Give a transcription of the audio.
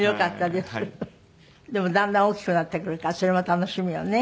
でもだんだん大きくなってくるからそれも楽しみよね。